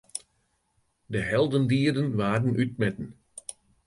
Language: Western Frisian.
De heldendieden waarden útmetten.